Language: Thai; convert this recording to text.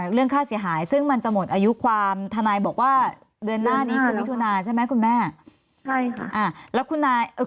เรื่องค่าเสียหายซึ่งมันจะหมดอายุความทนายบอกว่าเดือนหน้านี้คือมิถุนาใช่ไหมคุณแม่ใช่ค่ะ